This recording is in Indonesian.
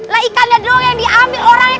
lah ikannya doang yang dia ambil orangnya kan